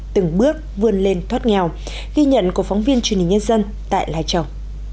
từng bước vươn lên thoát nghèo ghi nhận của phóng viên truyền hình nhân dân tại lai châu